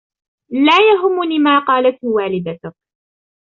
لا يهمني ما قالتهُ والدتك.